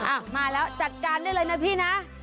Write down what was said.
อ่ะมาแล้วจัดการได้เลยนะพี่นะ